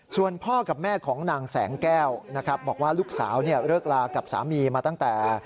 ส่วนพ่อกับแม่ของนางแสงแก้วนะครับบอกว่าลูกสาวเลิกลากับสามีมาตั้งแต่